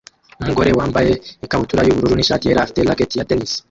Umugore wambaye ikabutura yubururu nishati yera afite racket ya tennis